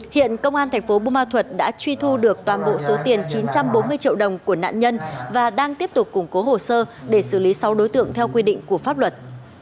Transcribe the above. hiện công an thành phố bù ma thuật đã truy thu được toàn bộ số tiền chín trăm bốn mươi triệu đồng của nạn nhân và đang tiếp tục củng cố hồ sơ để xử lý sáu đối tượng theo quy định của pháp luật